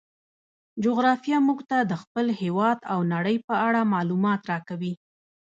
جغرافیه موږ ته د خپل هیواد او نړۍ په اړه معلومات راکوي.